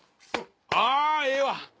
あええわ！